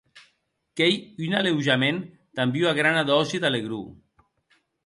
Qu'ei un aleujament damb ua grana dòsi d'alegror.